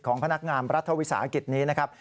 พนักงานรัฐวิสาหกิจนี้นะครับ